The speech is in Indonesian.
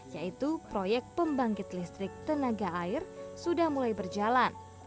yaitu proyek pembangkit listrik tenaga air sudah mulai berjalan